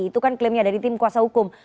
itu kan klaimnya dari tim kuasa hukum